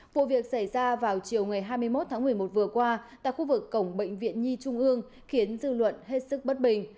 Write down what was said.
vụ việc xảy ra vào chiều ngày hai mươi một tháng một mươi một vừa qua tại khu vực cổng bệnh viện nhi trung ương khiến dư luận hết sức bất bình